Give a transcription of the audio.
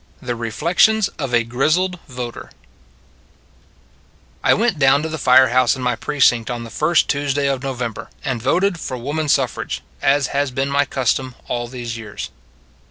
THE REFLECTIONS OF A GRIZZLED VOTER 1WENT down to the fire house in my precinct on the first Tuesday of No vember, and voted for woman suffrage, as has been my custom all these years.